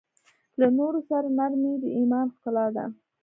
له نورو سره نرمي د ایمان ښکلا ده.